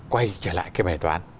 quay trở lại cái bài toán